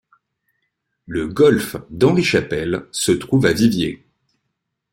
Le Golf d'Henri-Chapelle se trouve à Vivier.